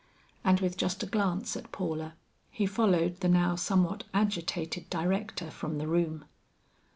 And with just a glance at Paula, he followed the now somewhat agitated director from the room.